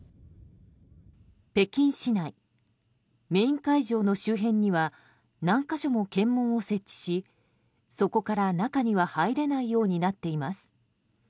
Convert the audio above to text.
北京市内メイン会場の周辺には何か所も検問を設置しそこから中には入れないようになっています。